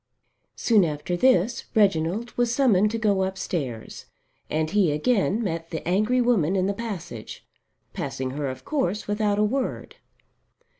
Soon after this Reginald was summoned to go upstairs and he again met the angry woman in the passage, passing her of course without a word.